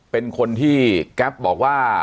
เป็นคนที่แก๊ปบอกว่า